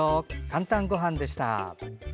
「かんたんごはん」でした。